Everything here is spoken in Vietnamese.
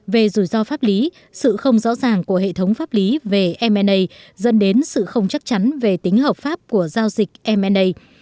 về rủi ro pháp lý sự không rõ ràng của hệ thống pháp lý về mna dân đến sự không chắc chắn về tính hợp pháp của giao dịch mna